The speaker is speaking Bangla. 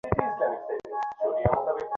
সত্যিটা তুমি জানতে না?